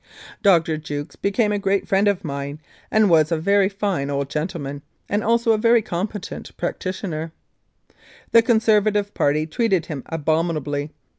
II Mounted Police Life in Canada Dr. Jukes became a great friend of mine, and was a very fine old gentleman, and also a very competent practitioner. The Conservative party treated him abominably.